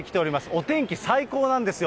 お天気、最高なんですよ。